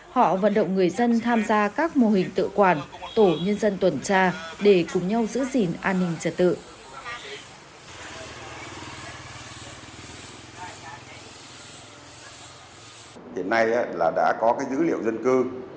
họ vận động người dân tham gia các mô hình tự quản tổ nhân dân tuần tra để cùng nhau giữ gìn an ninh trật tự